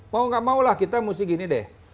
mau gak maulah kita mesti gini deh